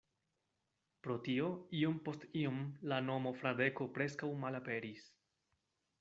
Pro tio iom post iom la nomo Fradeko preskaŭ malaperis.